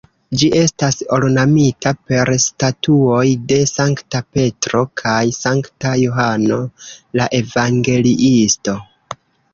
Ĝi estas ornamita per statuoj de Sankta Petro kaj Sankta Johano la Evangeliisto.